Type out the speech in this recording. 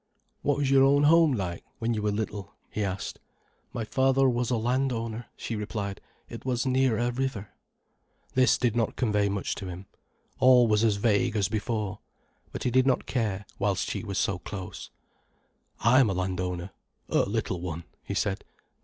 "What was your own home like, when you were little?" he asked. "My father was a landowner," she replied. "It was near a river." This did not convey much to him. All was as vague as before. But he did not care, whilst she was so close. "I am a landowner—a little one," he said.